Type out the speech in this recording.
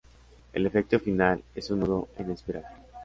El efecto final es un nudo en espiral.